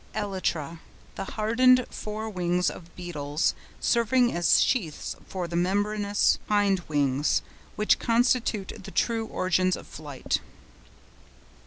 ELYTRA.—The hardened fore wings of Beetles, serving as sheaths for the membranous hind wings, which constitute the true organs of flight.